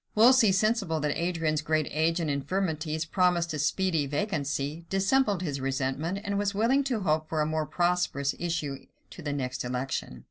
Wolsey, sensible that Adrian's great age and infirmities promised a speedy vacancy, dissembled his resentment, and was willing to hope for a more prosperous issue to the next election.